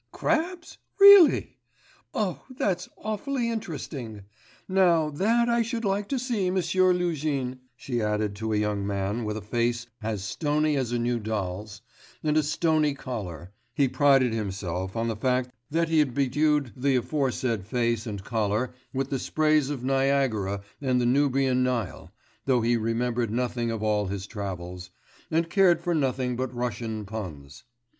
Crabs! Really? Oh, that's awfully interesting! Now, that I should like to see, M'sieu Luzhin,' she added to a young man with a face as stony as a new doll's, and a stony collar (he prided himself on the fact that he had bedewed the aforesaid face and collar with the sprays of Niagara and the Nubian Nile, though he remembered nothing of all his travels, and cared for nothing but Russian puns...).